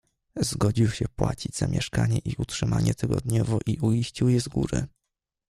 "Zgodził się płacić za mieszkanie i utrzymanie tygodniowo i uiścił je z góry."